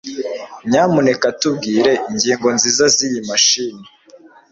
Nyamuneka tubwire ingingo nziza ziyi mashini.